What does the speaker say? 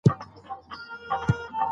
ماري کوري د سوربون پوهنتون محصله وه.